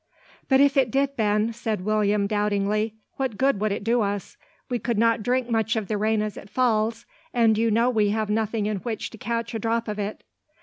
"But if it did, Ben," said William, doubtingly, "what good would it do us? We could not drink much of the rain as it falls, and you know we have nothing in which to catch a drop of it."